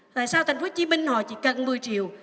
tại sao thành phố hồ chí minh họ chỉ cần một mươi triệu